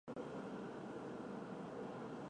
新疆异株荨麻为荨麻科荨麻属下的一个亚种。